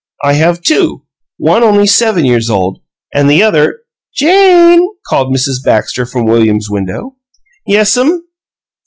I have two, one only seven years old, and the other " "Jane!" called Mrs. Baxter from William's window. "Yes'm?"